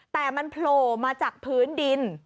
แต่มันโผล่มาจากพื้นดิน